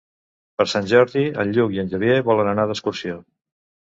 Per Sant Jordi en Lluc i en Xavi volen anar d'excursió.